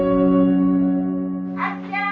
・あっちゃん！